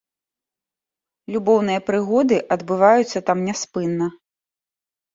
Любоўныя прыгоды адбываюцца там няспынна!